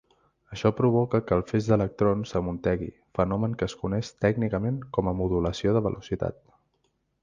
Això provoca que el feix d'electrons "s'amuntegui", fenomen que es coneix tècnicament com a "modulació de velocitat".